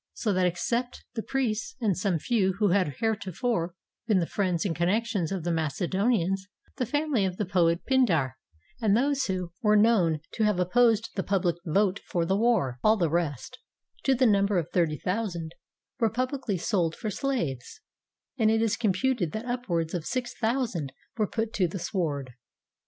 So that, except the priests, and some few who had here tofore been the friends and connections of the Mace donians, the family of the poet Pindar, and those who 190 ALEXANDER THE GREAT were known to have opposed the public vote for the war, all the rest, to the number of thirty thousand, were pub licly sold for slaves; and it is computed that upwards of six thousand were put to the sword.